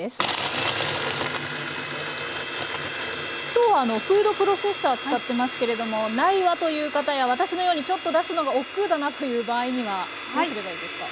今日フードプロセッサー使ってますけれどもないわという方や私のようにちょっと出すのがおっくうだなという場合にはどうすればいいですか？